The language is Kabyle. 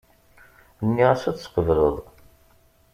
Nniɣ-as ad tqebleḍ.